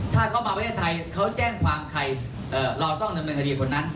ถ้าเขามาประเทศไทยเขาแจ้งความใครเราต้องดำเนินคดีบนนั้น